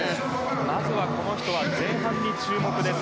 まずは、この人は前半に注目です。